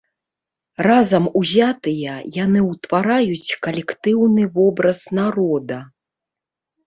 Разам узятыя, яны ўтвараюць калектыўны вобраз народа.